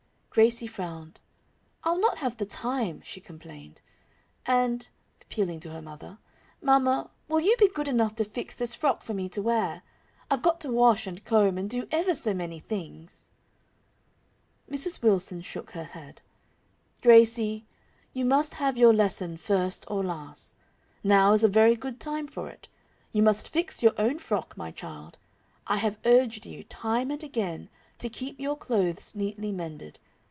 Gracie frowned. "I'll not have the time." she complained. "And," appealing to her mother, "mamma, will you be good enough to fix this frock for me to wear? I've got to wash and comb and do ever so many things." Mrs. Wilson shook her head. "Gracie, you must have your lesson first or last. Now is a very good time for it. You must fix your own frock, my child. I have urged you, time and again, to keep your clothes neatly mended.